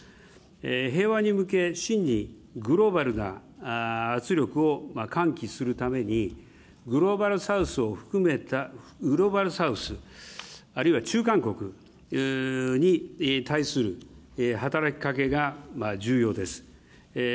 平和に向け、真にグローバルな圧力を喚起するために、グローバル・サウスを含めた、グローバル・サウス、あるいは中間国に対する働きかけが重要です。